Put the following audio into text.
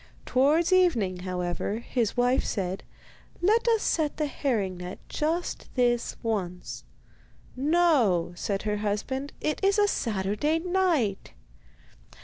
Towards evening, however, his wife said: 'Let us set the herring net just this once.' 'No,' said her husband, 'it is a Saturday night.